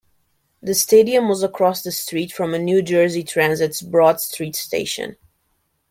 The stadium was across the street from a New Jersey Transit's Broad Street Station.